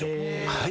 はい？